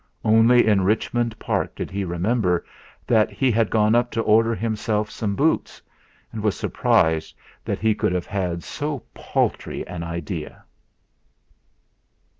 Only in Richmond Park did he remember that he had gone up to order himself some boots, and was surprised that he could have had so paltry an idea.